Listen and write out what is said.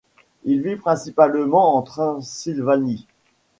Il vit principalement en Transylvanie.